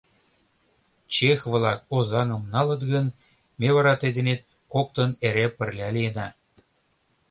Чех-влак Озаҥым налыт гын, ме вара тый денет коктын эре пырля лийына...